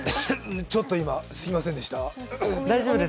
ちょっと今、すみませんでした。